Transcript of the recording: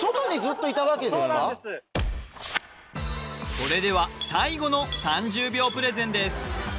それでは最後の３０秒プレゼンです